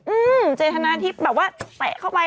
อืมเจธนาทิพย์แบบว่าแตะเข้าไป